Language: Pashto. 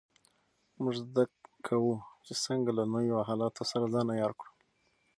موږ زده کوو چې څنګه له نویو حالاتو سره ځان عیار کړو.